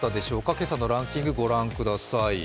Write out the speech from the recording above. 今朝のランキング、ご覧ください。